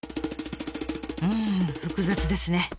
うん複雑ですね。